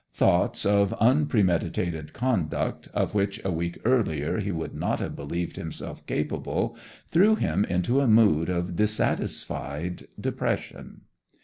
Thoughts of unpremeditated conduct, of which a week earlier he would not have believed himself capable, threw him into a mood of dissatisfied depression.